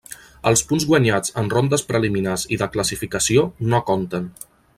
Els punts guanyats en rondes preliminars i de classificació no conten.